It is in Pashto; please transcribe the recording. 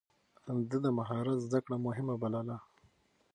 ده د مهارت زده کړه مهمه بلله.